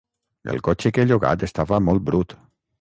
El cotxe que he llogat estava molt brut.